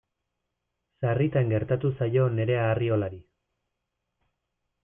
Sarritan gertatu zaio Nerea Arriolari.